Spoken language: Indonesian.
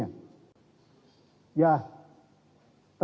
ya terjadi suatu